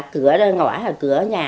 cửa ngõ cửa nhà